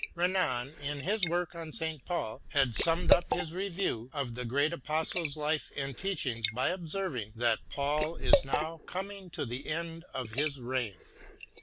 Renan, in his work on St. Paul, had summed up his review of the great Apostle's life and teachings by observing that Paul is now coming to the end of his reign.